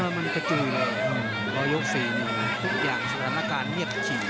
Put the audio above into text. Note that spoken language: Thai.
มันกระจุยเลยพอยก๔นี่ทุกอย่างสถานการณ์เงียบฉิด